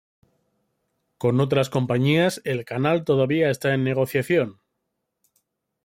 Con otras compañías, el canal todavía está en negociación.